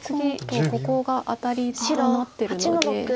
今度ここがアタリになってるので。